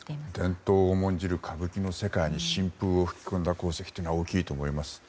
伝統を重んじる歌舞伎の世界に新風を吹き込んだ功績というのは大きいと思います。